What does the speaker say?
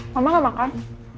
mama gak makan